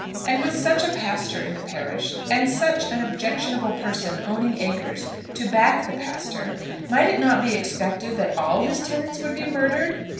And with such a pastor in the parish, and such an objectionable person, owning acres, to back the pastor, might it not be expected that all his tenants would be murdered?